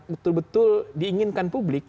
betul betul diinginkan publik